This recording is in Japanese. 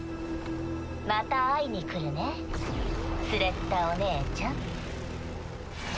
また会いに来るねスレッタお姉ちゃん。